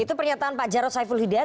itu pernyataan pak jarod saiful hidaya